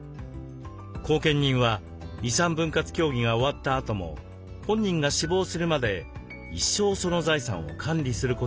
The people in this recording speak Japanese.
後見人は遺産分割協議が終わったあとも本人が死亡するまで一生その財産を管理することになります。